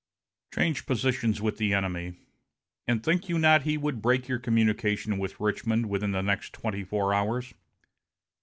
Change positions with the enemy, and think you not he would break your communication with Richmond within the next twenty four hours?